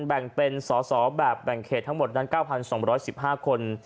แบ่งเป็นสอสอแบบแบ่งเขตทั้งหมดนั้น๙๒๑๕คน